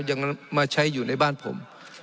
ยังมาใช้อยู่ในบ้านผม